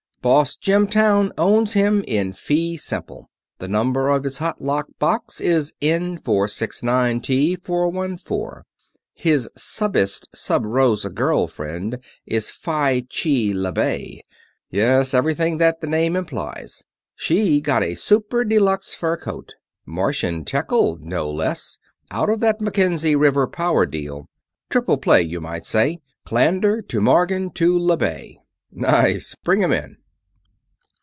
"Boss Jim Towne owns him in fee simple. The number of his hot lock box is N469T414. His subbest sub rosa girl friend is Fi Chi le Bay ... yes, everything that the name implies. She got a super deluxe fur coat Martian tekkyl, no less out of that Mackenzie River power deal. Triple play, you might say Clander to Morgan to le Bay." "Nice. Bring him in."